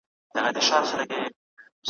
چي تر څو په دې وطن کي هوښیاران وي ,